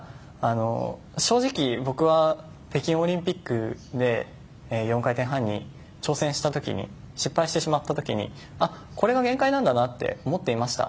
正直、僕は北京オリンピックで４回転半に挑戦したときに失敗してしまったときにこれが限界なんだなって思っていました。